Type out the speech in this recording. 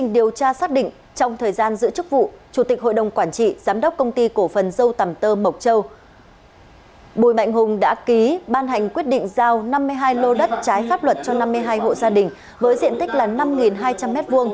bùi mạnh hùng đã ký ban hành quyết định giao năm mươi hai lô đất trái pháp luật cho năm mươi hai hộ gia đình với diện tích là năm hai trăm linh m hai